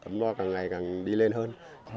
ấm loa càng ngày càng đi lên hơn